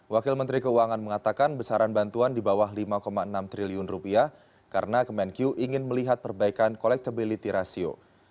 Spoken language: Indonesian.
wakil menteri keuangan mengatakan besaran bantuan di bawah lima enam triliun rupiah karena kemenkyu ingin melihat perbaikan collectability ratio